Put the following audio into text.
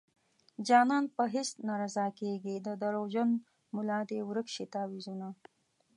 جانان په هيڅ نه رضا کيږي د دروغجن ملا دې ورک شي تعويذونه